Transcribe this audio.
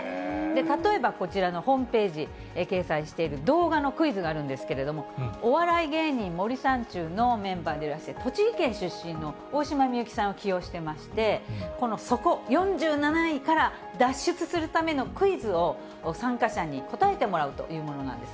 例えばこちらのホームページ掲載している動画のクイズがあるんですけれども、お笑い芸人、森三中のメンバーでいらっしゃる、栃木県出身の大島美幸さんを起用してまして、この底、４７位から脱出するためのクイズを参加者に答えてもらおうというものなんです。